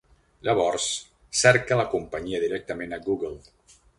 Llavors, cerca la companyia directament a Google.